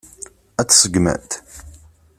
Ad tt-seggment?